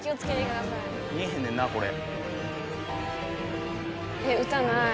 見えへんねんなこれ。